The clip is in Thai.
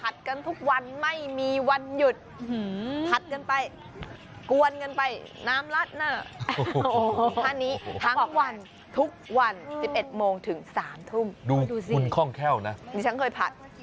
ทุกวัน๑๑โมงถึง๓ทุ่มข้องแข้วเนี้ยนี่ฉันเคยผัด